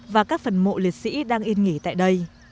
và các phần mộ liệt sĩ đang yên nghỉ tại đây